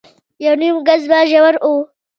يونيم ګز به ژور و.